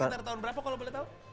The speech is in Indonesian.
sekitar tahun berapa kalau boleh tahu